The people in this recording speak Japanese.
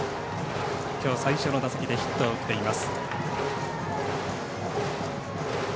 きょう最初の打席でヒットを打っています。